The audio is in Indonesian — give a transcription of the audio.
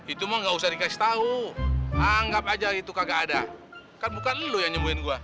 itu mah gak usah dikasih tahu anggap aja itu kagak ada kan bukan lu yang nyembuhin gue